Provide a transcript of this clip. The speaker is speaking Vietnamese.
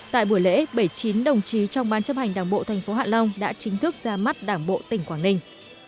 tại buổi lễ bảy mươi chín đồng chí trong bán chấp hành đảng bộ tp hạ long đã chính thức ra mắt đảng bộ tỉnh quảng ninh